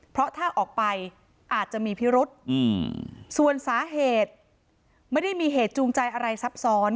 เพราะถ้าออกไปอาจจะมีพิรุษส่วนสาเหตุไม่ได้มีเหตุจูงใจอะไรซับซ้อน